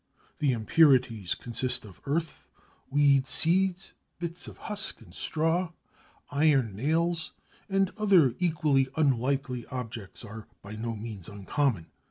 The impurities consist of earth, weed seeds, bits of husk and straw; iron nails, and other equally unlikely objects are by no means uncommon.